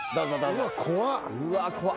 うわっ怖っ。